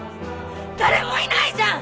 誰もいないじゃん！